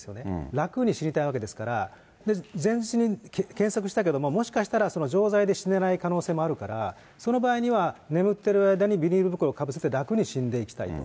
楽に死にたいわけですから、前日に検索したけども、もしかしたら錠剤で死ねない可能性もあるから、その場合には、眠ってる間にビニール袋をかぶせて楽に死んでいきたいと。